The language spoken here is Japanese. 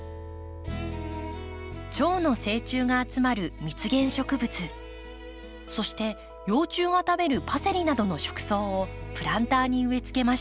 チョウの成虫が集まる蜜源植物そして幼虫が食べるパセリなどの食草をプランターに植えつけました。